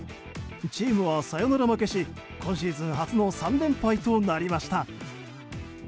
チームはサヨナラ負けし今シーズン初の３連敗となりました。